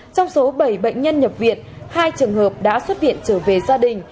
trong số bảy bệnh nhân nhập viện hai trường hợp đã xuất viện trở về gia đình